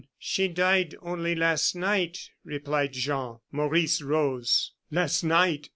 "She died only last night," replied Jean. Maurice rose. "Last night?"